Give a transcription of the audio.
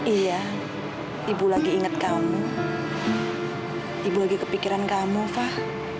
iya ibu lagi ingat kamu ibu lagi kepikiran kamu fah